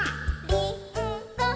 「りんご！」